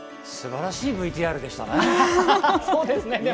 すばらしいＶＴＲでしたね。